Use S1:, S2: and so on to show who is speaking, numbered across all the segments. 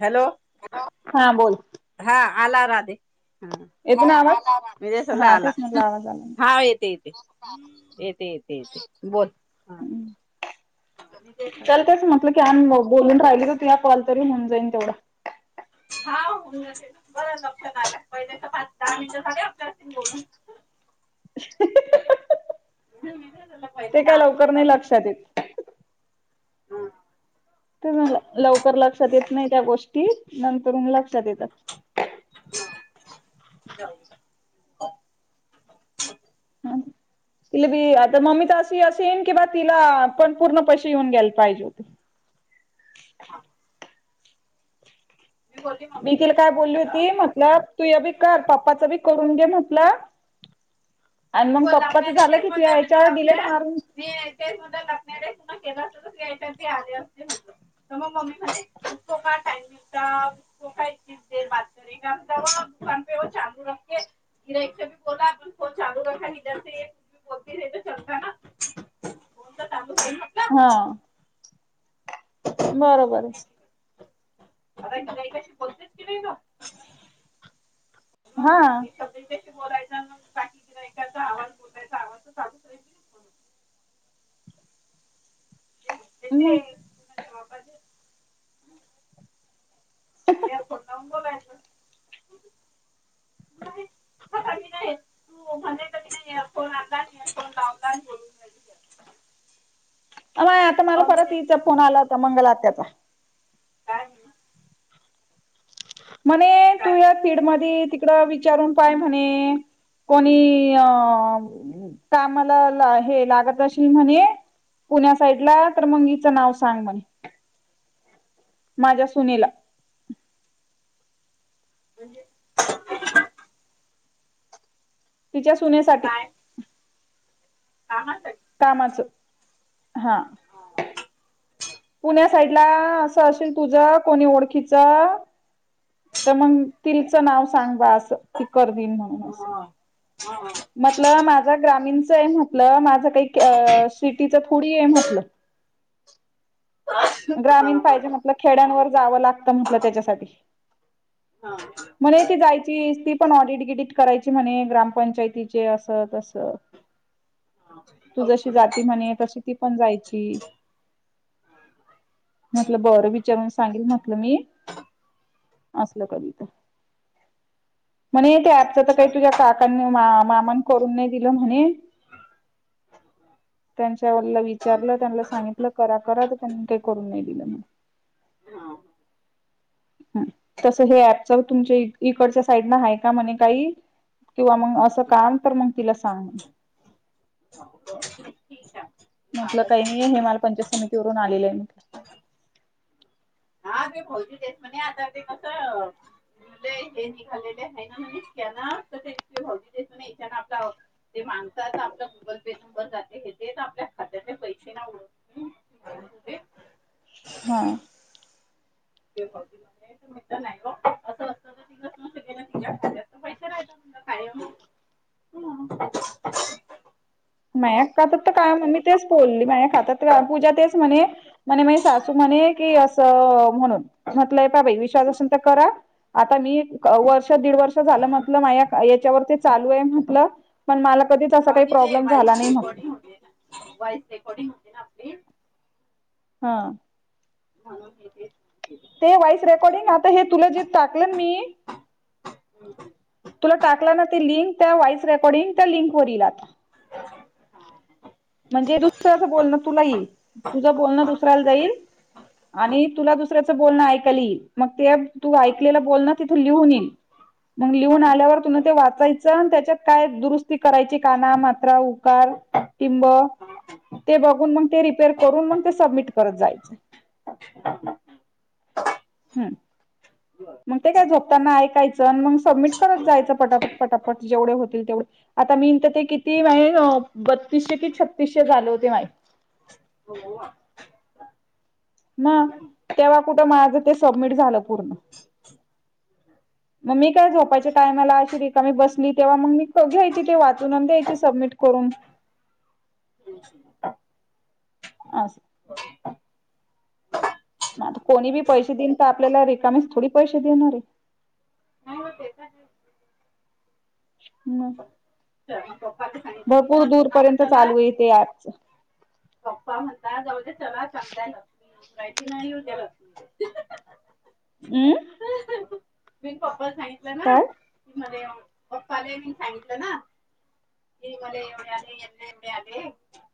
S1: Hello
S2: हा बोल
S1: हा आला राधे हा
S2: येतो ना आवाज
S1: म्हजे सला
S2: हा
S1: आला
S2: तेच म्हटलं आवाज आला
S1: हा येते येते येत येत येत ब
S2: नाही. चल तेच म्हटल की बोलून राहिली तर त या कॉल तरी होऊन जाईन तेवढा
S1: हा होेल बरं लक्षात आलं पहिल्या तर पा दहा मिट झा आपल्या बोलून
S2: [inaudible]
S1: मी पहिले
S2: ते काय
S1: दहा मिनिटं
S2: लवकर नाही
S1: झाले
S2: लक्षात येत
S1: मी
S2: तर लवकर लक्षात येत नाही त्या गोष्टी नंतर लक्षात येतात
S1: ह
S2: ति बी आता मम्मी तर अशी असं येईन कि बा तिला पण पूर्ण पैसे येऊन ग्यायला पाहिजे होते [inaudible]
S1: बोलली
S2: मी
S1: मम्मीला
S2: तिला काय
S1: येईल
S2: बोलली
S1: म्हटलं
S2: होती मतलब तूया बी कर पाप्पाच बी करून घे म्हटलं आणि
S1: मी
S2: मग
S1: ब
S2: पप्पाच
S1: लाणार
S2: झालं
S1: तेच
S2: की
S1: म
S2: तुझ्या
S1: म्ह मी
S2: याच्यावर डिलेट मारून
S1: तेच ला के या आले होत तर मग मम्मी म्हणे तो काय टाइम दिघता तो काय इतकीच देर बात करे का मग ूे गि इछ बोला आपण चालू दारूर् बती तर चताा ना होत त
S2: हा बरोबर आहे
S1: आता गयकाशी बोलते की नाही ग
S2: हा
S1: बोयचा बाकी एचा आवाज बलायचा आवाज तर चालूच राय ते
S2: हम
S1: कुणाच्या बापाचे एरपटंग का नाही आता कोण आता नाही कोण लावला बून
S2: अय आता मला
S1: की
S2: परत
S1: ते
S2: इचा फोन आला होता मंगल आ त्याचा
S1: काय
S2: म्हणे तू
S1: काय
S2: या फीड मध्ये तिकड विचारून पाय म्हणे कोणी अ कामाला हे लागत असेल म्हणे पुण्या साईडला तर मग हचं नाव सांग म्हणे माझ्या सुनेला
S1: म्हणजे
S2: तिच्या सुनेसाठी
S1: ह ह ताई
S2: कामाचं हा पुण्या साइड ला असं असेल तुझ कोणी ओळखीच तर मग तीलच नाव सांगबा ती करदिन म्हणून अस म्हण्टलं माझं ग्रामीण कसंय म्हटल माझ काही शेतीच थोडीहाय म्हटलं
S1: हा
S2: ग्रामीण
S1: बरोबर
S2: पाहिजे म्हटलं खेड्यांवर जावं लागतं म्हटलं त्याच्यासाठी
S1: हा
S2: म्हणे ते जायच ती पण ऑडिट गिडीट करायची म्हणे ग्रामपंचायतीचे अस तस तू जशी जाती म्हणे तशी ती पण जायची म्हटलं बरं विचारून सांगेल म्हटलं मी असलं कधी तर म्हणे त्या च तर काही तुझ्या काकांनी मा मामाांने करून नाही दिलं म्हणे त्यांच्या वरं ला विचारलं त्यांला सांगितलं करा, करा, ते करून नाही दिल म्हणे तस हे ऍपच तुमच्या इकडच्या साईड न आहे का म्हणे काही किंवा मग असं कान तर मग तिला सांग
S1: ठीक आहे
S2: [inaudible] म्हटलं
S1: आवाज
S2: काही
S1: नाही येत.
S2: नियम आहे, माला पंचायत समितीवरून आलेलं आहे मी
S1: [unintelligible] ते हे निघालेले आहे ना म्हने, त्यांना तर ते भावजी देत नाही त्यांना आप आ आ आप गुगल पे नंर जाते हे ते आपल्या खात्याले पैसे ना [unintelligible]
S2: हा!
S1: मित नाही हो असं असत तर तू शके ति पै नाही [unintelligible] [unintelligible]
S2: माया खातात तर काय म्हण मी तेच बोलली माया खातात का पूजा तेच म्हणे म्हणे म सासू म्हणे की असं, म्हणून म्हटलंय हे पहा बाई विष असतर करा, आता नीट वर्ष दीड वर्ष झालं म्हंटल माया याच्यावर चालू आहे म्हटल पण माला कधी अस का
S1: काऊन की ते
S2: प्रॉब्लेम झाला
S1: व्हॉइस
S2: नाही म्हटलं
S1: रेकॉर्डिंग ना वॉइस रेकॉर्डिंग होते ना आपली
S2: हा!
S1: म्हणून हे ते
S2: ते व्हॉईस रेकॉर्डिंग आता हे तुला जे टाकलं मी
S1: ह [unintelligible]
S2: तुला टाकला ना ते लिंक, त्या व्हॉइस रेकॉर्डिंग त्या लिंकवरील येईल आता म्हणजे दुसर्याच बोलणं तुला येईल, तुझं बोलणं दुसऱ्याला जाईल आणि तुला दुसऱ्याचं बोलणं ऐकायला यील मग ते तू ऐकलेला बोल ना तिथ लिहून यील लिहून आल्यावर तुन ते वाचायचं, त्याच्यात काय दुरुस्ती करायची काना मात्रा उकार टिम्ब ते बघून मग ते रिपेअर करून, मग ते सबमिट करत जायचं
S1: [inaudible]
S2: [inaudible] मग ते काय झोपताना ऐकायचं आण मंग सबमिट करत जायचं पटापट, पटापट, जेवढे होतील तेवढे आता मी त ते किती माये बत्तीसशे की छत्तीसशे झाले होते माये
S1: हो [inaudible]
S2: ना तेव्हा कुठं माझं ते सबमिट झालं पूर्ण म मी काय झोपाच्या टाइमला अशी रिकामी बसली तेव्हा मग मी घ्यायची ते वाचून न द्यायची सबमिट करु हो! [unintelligible]
S1: ह् [unintelligible]
S2: अस आता कोणी बी पैसे देईन, त आपल्याला रिकामीेस थोडी पैसे देणार आहे
S1: नाही व ते त आहे
S2: मं!
S1: च [unintelligible]
S2: भरपूर दूरपर्यंत चालू येते आजच
S1: पप्पा म्हणता जाऊ स चांगाय राहि नाहीद्या [unintelligible]
S2: ऊ!
S1: मी पप्पाला सांगितलं ना
S2: काय?
S1: की म्हणे पप्पाला मी सांगितलं एल्ले आली [unintelligible]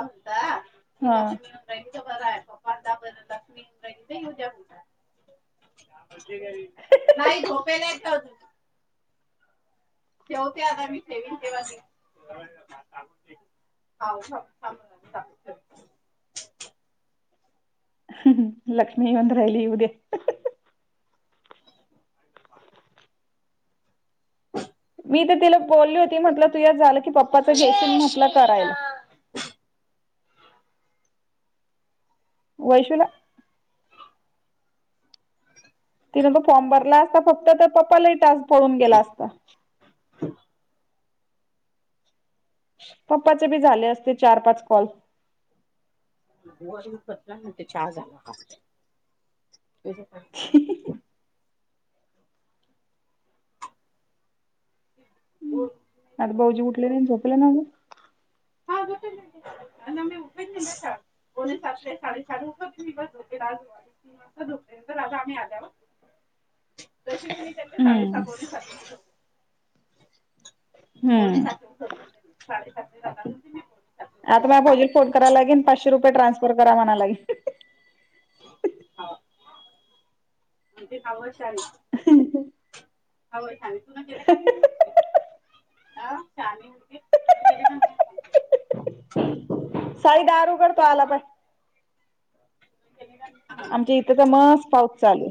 S1: म्हणता की
S2: हा!
S1: लक्ष्मी येऊन राहिली तर बरं आहे पप्पा म्हणता बरं लक्ष्मी येऊन राहिली तर येऊ द्या म्हणता नाही झोपेल ये त्यो अजून ठेवते आता मी ठेवीन तेवा ती ह ह ह [unintelligible]
S2: हूं लक्ष्मी येऊन राहिली येऊ दया मी तर तिला बोलली होती म्हटलं तू यात झालं की पप्पाच जेसम म्हटलं करायल वैशूला तिनें तो फॉर्म भरला असता फक्त पप्पा लईटास पडून गेला असता पप्पाचे बी झाले असते चार पाच कॉल
S1: गुवारी पतला ना ते चहा झाला हा
S2: हम् आता भाहऊजी उठलेली झोपलं नाझं
S1: नम्े उपय निमष एकोणीसातले साडेसात वार्ष दिवस होते राजू आणि तीन वाजता ध होते राजा आम्ही आल्यावर जसे त मी त्यांनी साडेसहा
S2: हम्म
S1: वज सात ोडी
S2: हम्म
S1: सा सात ला
S2: आता म भोजी फोन कराव लागेल पाचशे रुपये ट्रान्सफर करा म्हणा लागेल
S1: ह म्हणजे काम
S2: हम्
S1: ह अ चाले होते तुम्ही ग
S2: साई दार उघड तो आला पाय
S1: तुन केले का नाही
S2: आमच्या इथचा मस् पाऊस चाले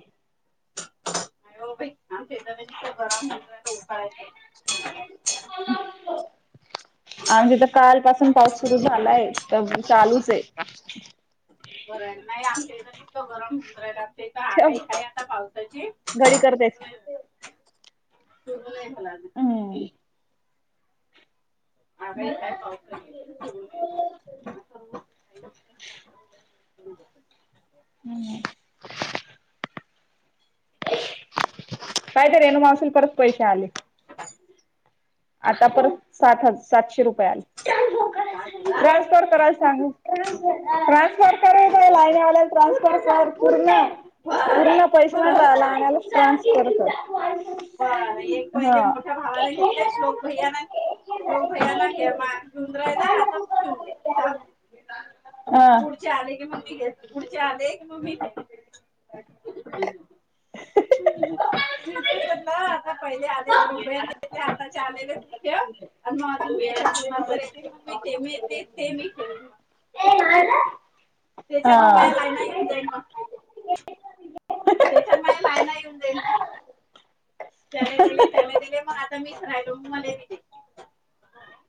S1: अे होछ ब उायचं
S2: आणिजथ काल पासून पाऊस सुरू झालाय तर चालूच आहे
S1: बरं आहे नाही आ तितकं गरम होय
S2: ठेव
S1: आगाई का आता पावसाची
S2: घडी करतेच
S1: सुरव तलालाज
S2: हम्म
S1: आगाही ह पावसाळी
S2: हम् कायत रेनु मावशीला परत पैसे आले आता परत सात हजार सातशे रुपये आले
S1: चार हजार,
S2: ट्रान्सफर करायला सांगू ट्रान्सफर यय लाईनवाल्याला ट्रान्सफर सर पूर्ण
S1: बर
S2: पूर्ण पैसे नाही
S1: बर
S2: टला
S1: बर
S2: आणाला ट्रान्स करतो
S1: बर एक महिले मोठ्या भावाने घेतले श्लोक भैयाना लोक भैयाना घ्या मा घेऊन राहिला आता तू घेऊन घे चालते
S2: हा
S1: पुढचे आले की मग त घे पुढचे आले वि
S2: [inaudible]
S1: हिले आदेशो आता आलेलेन्मांतर ते ते ते ख
S2: ते म
S1: त्याच्यातन माझ्या लाईना येऊन जाईन मग त्याच्यात माझ लायना येऊन जाईन मग चले दिले चले दिले मग आता मीच राहिलो मला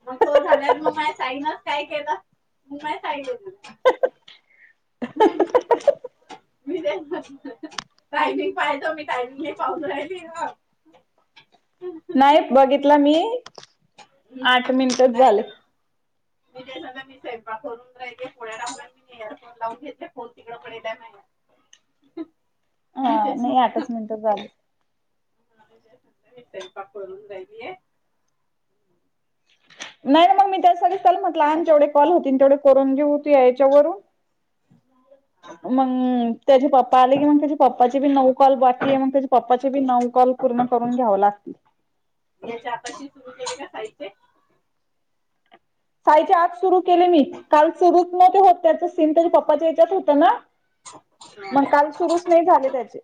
S1: मग तो झाल्या मग माय सईन काय केलं मग माय सगलं झा ह मी टायमिंग पाहितो मी टायमिंग नाही पाहून राहिली ना
S2: नाही बघितलं मी आठ मिनिटच
S1: नाही
S2: झाले
S1: मी जसना मी स्वयंपा करून राहिे पुढत मी लावून घेते फोन तिकडं पडेला नाही
S2: [inaudible]
S1: मी
S2: नाही आठच मिनिटच झाल
S1: पाकडून जाली आहे
S2: नाही ना मग मी ते सग ल म्हट लहान जेवढे कॉल होती तेवढे करून घेऊ तू या याच्यावरून ह मग त्याचे पप्पा आले की मग त्याच्या पप्पाचे बी नऊ कॉल बाकी आहे मग त्याच्या पप्पाचे बी नऊ कॉल पूर्ण करून घ्याव लागतील
S1: याच्या आातशी सुरू केली का खायचे
S2: साईच्या आत सुरू केले मी काल सुरूत न ते होत त्याच सीम त्याच्या पप्पाच्या याच्यात होत ना मग काल सुरुच नाही झाले त्याचे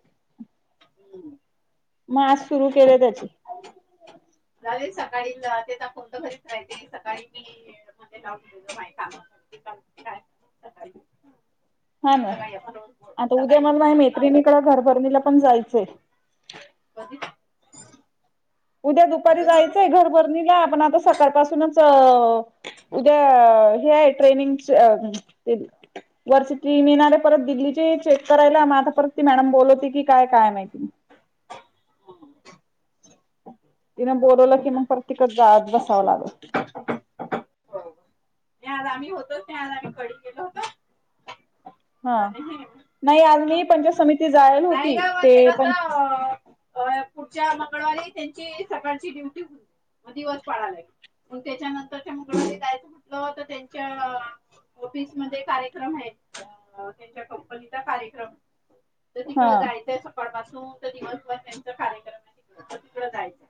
S2: मस सुरू केले त्याची
S1: अर सकाळी ते फो तर घरीच राहिते सकाळी मी मध्ये मा का काय
S2: हा ना
S1: सकाळी आपण रोज बोल
S2: आता उद्या
S1: सकाळी
S2: मला नाही
S1: बोलतोच ना आपण
S2: मैत्रिणीकडे घरभरणीला पण जायचंय
S1: कध
S2: उद्या दुपारी जायचंय घरभरणीला आपण आता सकाळपासूनच उद्या हे आहे ट्रेनिंग वर्सिटी मि येणारे परत दिल्लीचे चेक करायला आता परत ती मॅडम बोलवते की काय काय माहिती [inaudible]
S1: होम
S2: तिनं बोलवलं की मग प्र्यिकच गाळात बसावं लागल
S1: ते आज आम्ही होतो ते आज आम्ही कडी केेलो होत
S2: हा नाही आज मी पंचायत समिती जायला
S1: नाही
S2: होती
S1: ग मग
S2: ते पंच
S1: च्या मंगळवारी त्यांची सकाळची ड्युटी होती मग दिवस पाडय लागल म त्याच्या नंतरच्या मुमध्ये जायचं आता त्यांच्या ऑफिस मध्ये कार्यक्रम आहेत त्यांच्या कप्पलीचा कार्यक्रम तर
S2: हा
S1: तिकड जायचंय स दिवसभर त्यांचा कार्यक्रम आहे त तिकड जायचं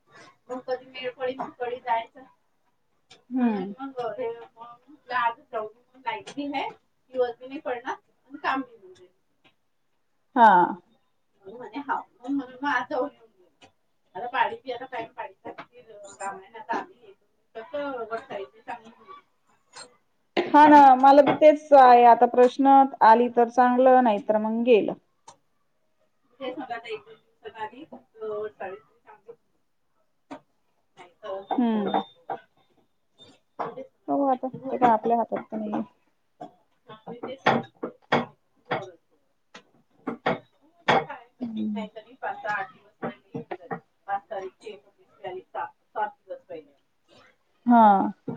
S1: मग कधी मेळकळीकळी जायचं म्हणून
S2: हम्म.
S1: मग हे आज प्रॉब्लेम लाली दिवसी नाही पडणार काम होऊन जाईल.
S2: हा.
S1: म्हण म्हणे म्हा,, म्हणून मग आज उूने आता पाणी आता काम पा. कस वता चांगली का?
S2: हा ना,, मला बी तेच ऽआहे आताऽ प्रश्न, आली तर चांगलं, नाही तरर मग गेलं, ऽऽ
S1: हेतः एको दिवसात आली सांगतेऽऽ
S2: हम्म, हो, आता ते काय?
S1: होय.
S2: आपल्या हातात तर नाहीयेऽऽ
S1: [unintelligible]
S2: हम्म,
S1: पाच सहा आठ दिवस पहिले येऊन जाईल. पाच तारीखची एकोणतीस मिळाली सात सात दिवस पहिले
S2: हा,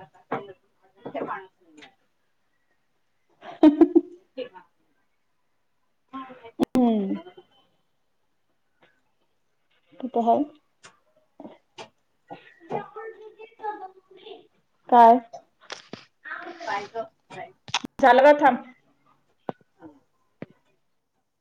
S1: आता काही अजून ठिकाणच नाहीये.
S2: [unintelligible]
S1: ठिकाण नाही. मग नाहीतर
S2: हम्म,
S1: काय?
S2: तित हाय. काय?
S1: पाय ग,, पाय.
S2: झालं का, थांब.
S1: हा.